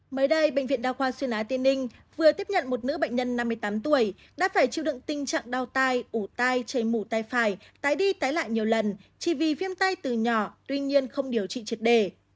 mới đây bệnh viện đa khoa xuyên á tiên ninh vừa tiếp nhận một nữ bệnh nhân năm mươi tám tuổi đã phải chịu đựng tình trạng đau tay ủ tai trên mù tay phải tái đi tái lại nhiều lần chỉ vì viêm tay từ nhỏ tuy nhiên không điều trị triệt đề